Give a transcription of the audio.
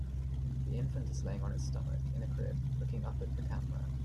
The infant is laying on its stomach, in a crib, looking up at the camera.